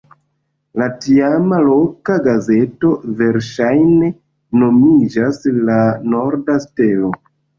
La tiama loka gazeto verŝajne nomiĝis "La Norda Stelo".